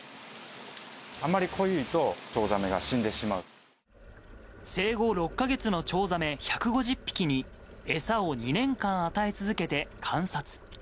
あんまり濃いとチョウザメが生後６か月のチョウザメ１５０匹に、餌を２年間与え続けて、観察。